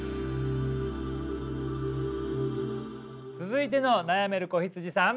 続いての悩める子羊さん。